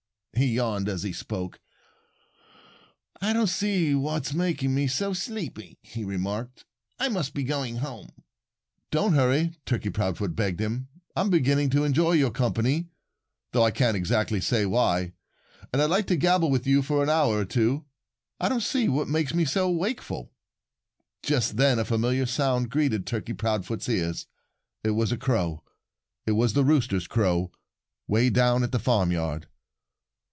He yawned as he spoke. "I don't see what's making me so sleepy," he remarked. "I must be going home." "Don't hurry!" Turkey Proudfoot begged him. "I'm beginning to enjoy your company though I can't exactly say why. And I'd like to gabble with you for an hour or two. I don't see what makes me so wakeful." Just then a familiar sound greeted Turkey Proudfoot's ears. It was a crow. It was the rooster's crow, way down at the farmyard.